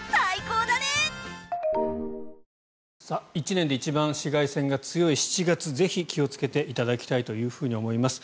１年で一番紫外線が強い７月ぜひ気をつけていただきたいと思います。